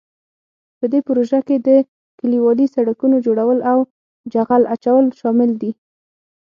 په دې پروژو کې د کلیوالي سړکونو جوړول او جغل اچول شامل دي.